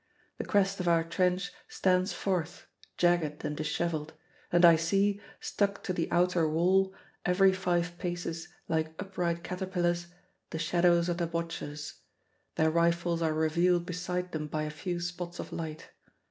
The crest of our trench stands forth, jagged and dishevelled, and I see, stuck to the outer wall every five paces like upright caterpillars, the shadows of the watchers. Their rifles are revealed beside them by a few spots of light.